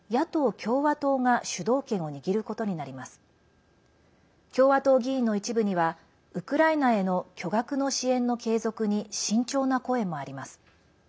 共和党議員の一部にはウクライナへの、巨額の支援の継続に慎重な声もあります。